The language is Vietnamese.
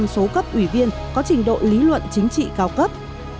tám mươi bảy một số cấp ủy viên có trình độ lý luận chính trị cao cấp